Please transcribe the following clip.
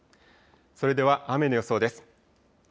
それでは雨の予想です。